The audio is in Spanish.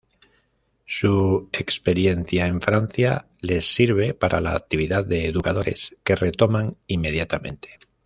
Su experiencia en Francia les sirve para la actividad de educadores que retoman inmediatamente.